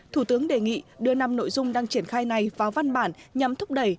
thủ tướng đề nghị đưa năm nội dung đang triển khai này vào văn bản nhằm thúc đẩy